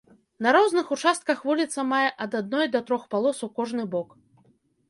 На розных участках вуліца мае ад адной да трох палос у кожны бок.